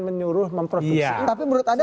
menyuruh memproduksi tapi menurut anda